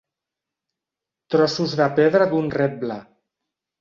Trossos de pedra d'un reble.